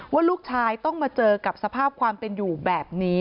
ว่าลูกชายต้องมาเจอกับสภาพความเป็นอยู่แบบนี้